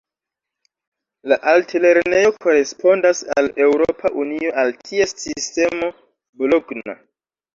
La altlernejo korespondas al Eŭropa Unio al ties sistemo Bologna.